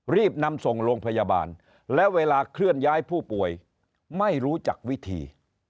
รีบนำส่งโรงพยาบาลและเวลาเคลื่อนย้ายผู้ป่วยไม่รู้จักวิธี